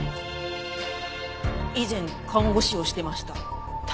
以前看護師をしてました。